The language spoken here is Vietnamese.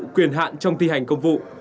quyền hạn trong thi hành công vụ